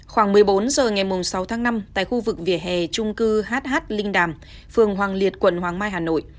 khoảng một mươi bốn h ngày sáu tháng năm tại khu vực vỉa hè trung cư hh linh đàm phường hoàng liệt quận hoàng mai hà nội